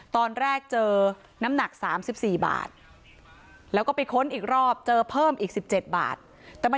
ตอนแรกเจอน้ำหนัก๓๔บาทแล้วก็ไปค้นอีกรอบเจอเพิ่มอีก๑๗บาท